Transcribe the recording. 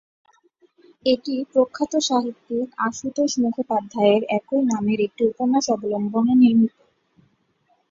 এটি প্রখ্যাত সাহিত্যিক আশুতোষ মুখোপাধ্যায়ের একই নামের একটি উপন্যাস অবলম্বনে নির্মিত।